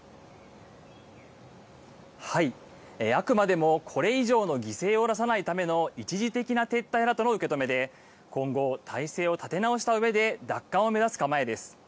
あくまでもこれ以上の犠牲を出さないための一時的な撤退だとの受け止めで今後、態勢を立て直したうえで奪還を目指す構えです。